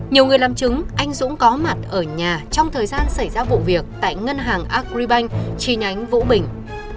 nhiều người làm chứng anh dũng có mặt ở nhà trong thời gian xảy ra vụ việc tại ngân hàng agribank chi nhánh vũ bình